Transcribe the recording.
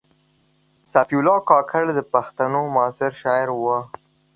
صفي الله کاکړ د پښتو معاصر شاعر و.